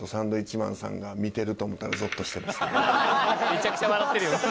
「めちゃくちゃ笑ってるよ」